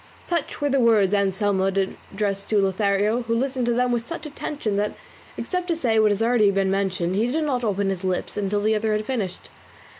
Such were the words Anselmo addressed to Lothario, who listened to them with such attention that, except to say what has been already mentioned, he did not open his lips until the other had finished.